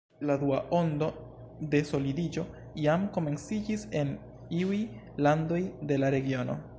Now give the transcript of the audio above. La dua ondo de solidiĝo jam komenciĝis en iuj landoj de la regiono.